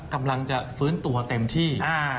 กำลังจะฟื้นตัวเต็มที่